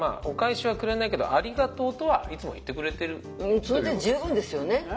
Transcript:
やっぱりそれで十分ですよね。